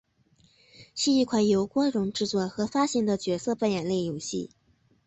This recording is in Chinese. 是一款由光荣制作和发行的角色扮演类游戏。